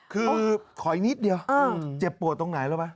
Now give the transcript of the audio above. คือขออีกนิดเดียวเจ็บปวดตรงไหนรู้ไหม